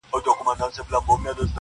• په غومبر او په مستیو ګډېدلې -